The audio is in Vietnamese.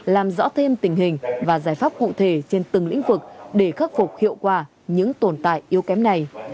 làm rõ thêm tình hình và giải pháp cụ thể trên từng lĩnh vực để khắc phục hiệu quả những tồn tại yếu kém này